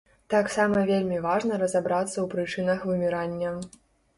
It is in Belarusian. Таксама вельмі важна разабрацца ў прычынах вымірання.